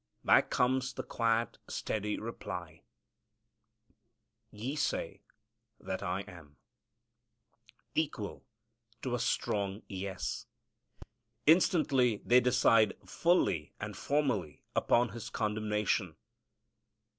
Back comes the quiet, steady reply, "Ye say that I am," equal to a strong yes. Instantly they decide fully and formally upon His condemnation.